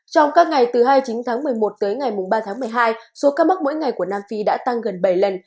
trong các ngày từ hai mươi chín tháng một mươi một tới ngày ba tháng một mươi hai số ca mắc mỗi ngày của nam phi đã tăng gần bảy lần